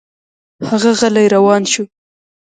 هغه غلی روان شو.